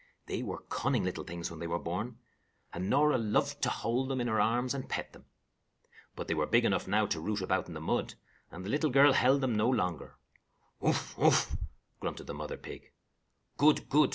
They were cunning little things when they were born, and Norah loved to hold them in her arms and pet them. But they were big enough now to root about in the mud, and the little girl held them no longer. "Oof! oof!" grunted the mother pig. "Good! good!"